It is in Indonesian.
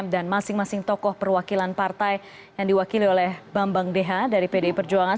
dan masing masing tokoh perwakilan partai yang diwakili oleh bambang deha dari pdi perjuangan